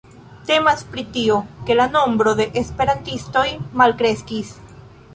Temas pri tio, ke la nombro de esperantistoj malkreskis.